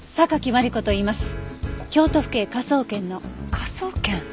科捜研。